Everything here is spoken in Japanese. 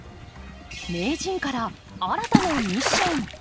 名人から新たなミッション。